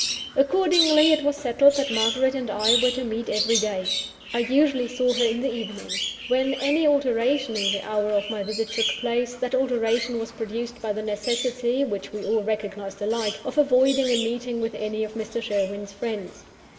Accordingly, it was settled that Margaret and I were to meet every day. I usually saw her in the evening. When any alteration in the hour of my visit took place, that alteration was produced by the necessity (which we all recognised alike) of avoiding a meeting with any of Mr. Sherwin's friends.